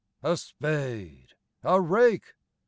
A spade! a rake!